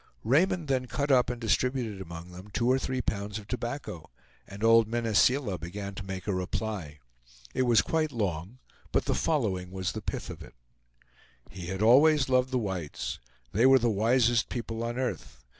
Raymond then cut up and distributed among them two or three pounds of tobacco, and old Mene Seela began to make a reply. It was quite long, but the following was the pith of it: "He had always loved the whites. They were the wisest people on earth.